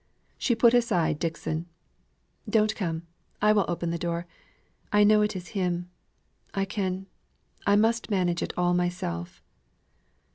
She put aside Dixon. "Don't come; I will open the door. I know it is him I can I must manage it all myself."